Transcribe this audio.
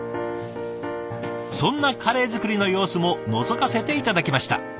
そんなカレー作りの様子ものぞかせて頂きました。